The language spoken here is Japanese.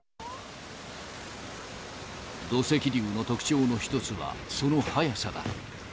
土石流の特徴の一つは、その速さだ。